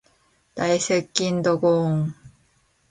大接戦ドゴーーン